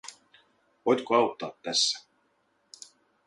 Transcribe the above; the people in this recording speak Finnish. Voitko auttaa tässä?